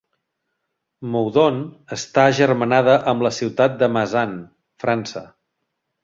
Moudon està agermanada amb la ciutat de Mazan, França.